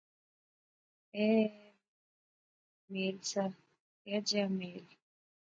ایہہ وی ہیک میل سا، کیا جیا میل؟